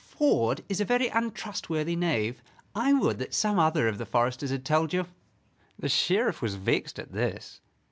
"Ford is a very untrustworthy knave. I would that some other of the foresters had told you." The Sheriff was vexed at this.